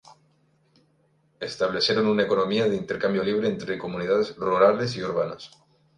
Establecieron una economía de intercambio libre entre comunidades rurales y urbanas.